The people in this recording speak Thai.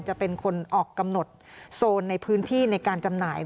จะเป็นคนออกกำหนดโซนในพื้นที่ในการจำหน่าย